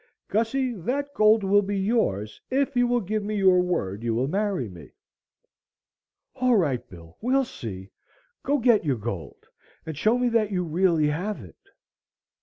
Gussie, that gold will be yours if you give me your word you will marry me." "All right, Bill, we'll see. Go get your gold and show me that you really have it."